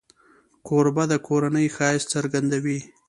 کوربه د کورنۍ ښایست څرګندوي.